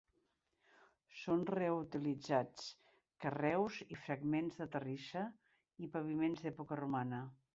Són reutilitzats, carreus i fragments de terrissa i paviments d'època romana.